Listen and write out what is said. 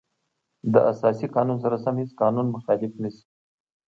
د اساسي قانون سره سم هیڅ قانون مخالف نشي.